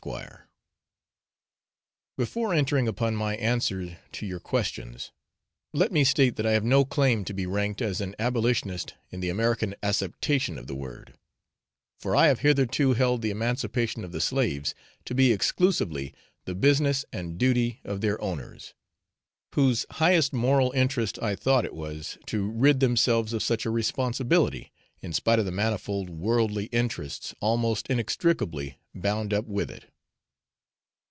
_ Before entering upon my answer to your questions, let me state that I have no claim to be ranked as an abolitionist in the American acceptation of the word, for I have hitherto held the emancipation of the slaves to be exclusively the business and duty of their owners, whose highest moral interest I thought it was to rid themselves of such a responsibility, in spite of the manifold worldly interests almost inextricably bound up with it.